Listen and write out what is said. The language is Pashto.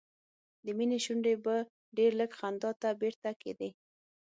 د مينې شونډې به ډېر لږ خندا ته بیرته کېدې